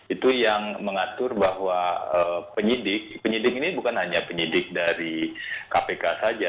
itu yang mengatur bahwa penyidik penyidik ini bukan hanya penyidik dari kpk saja